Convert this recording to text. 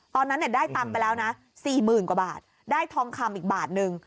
ตอนนั้นได้ตังค์ไปแล้วนะ๔๐๐๐กว่าบาทได้ทองคำอีกบาทนึง